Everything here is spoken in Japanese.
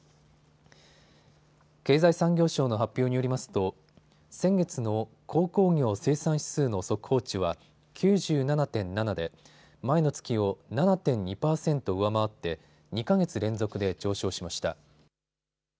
経済産業省の発表によりますと先月の鉱工業生産指数の速報値は９７．７で前の月を７．２％上回って２か月連続で上昇しました。